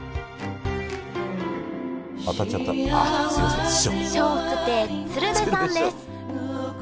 当たっちゃったあっすいません師匠。